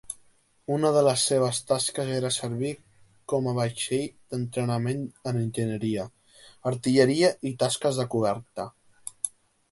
Una de les seves tasques era servir com a vaixell d'entrenament en enginyeria, artilleria i tasques de coberta.